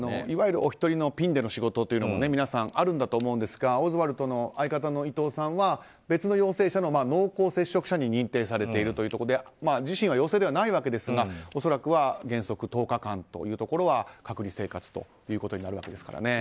いわゆるおひとりのピンでの仕事というのも皆さん、あるんだと思いますがオズワルドの相方の伊藤さんは別の陽性者の濃厚接触者に認定されているということで自身は陽性ではないわけですが恐らくは原則１０日間は隔離生活となるわけですから。